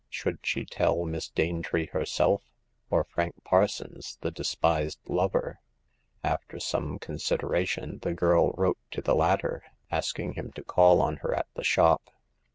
Should she tell Miss Danetree herself, or Frank Parsons, the despised lover ? After some con sideration the girl wrote to the latter, asking him to call on her at the shop.